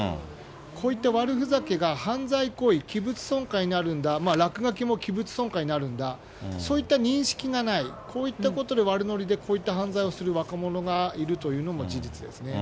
こういった悪ふざけが犯罪行為、器物損壊になるんだ、落書きも器物損壊になるんだ、そういった認識がない、こういったことで悪のりで、こういった犯罪をする若者がいるというのも事実ですね。